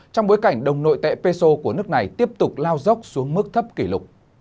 trong bối cảnh đồng nội tệ peso của nước này tiếp tục lao dốc xuống mức thấp kỷ lục